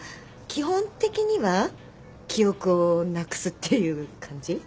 基本的には記憶をなくすっていう感じ？